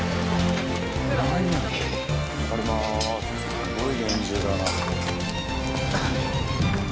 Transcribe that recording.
すごい厳重だな。